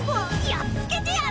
やっつけてやる！